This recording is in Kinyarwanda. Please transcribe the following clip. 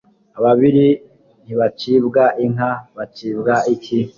Ababiri ntibacibwa inka.bacibwa iki